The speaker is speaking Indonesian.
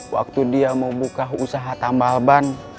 waktu dia mau buka usaha tambal ban